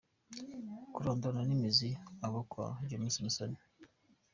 -Kurandurana n’imizi abo kwa James Musoni